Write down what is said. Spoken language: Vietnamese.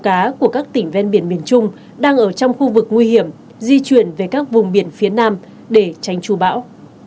tàu cá của các tỉnh ven biển miền trung đang ở trong khu vực nguy hiểm di chuyển về các vùng biển phía nam để tránh tru bão